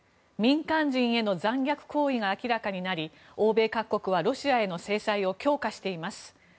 民間人への残虐行為が明らかになり欧米各国はロシアへの制裁を強化しています。